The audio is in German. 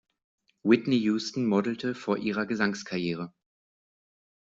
Whitney Houstons modelte vor ihrer Gesangskarriere.